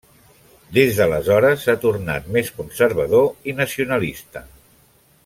Des d'aleshores s'ha tornat més conservador i nacionalista.